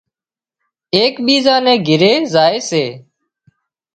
ايڪ ٻيزان ني گھري زائي سي